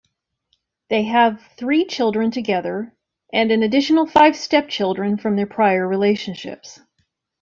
They have three children together, and an additional five stepchildren from their prior relationships.